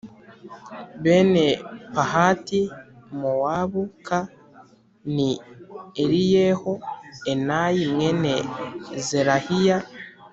Bene pahati mowabu k ni eliyeho enayi mwene zerahiya